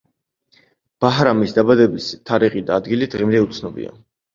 ბაჰრამის დაბადების თარიღი და ადგილი დღემდე უცნობია.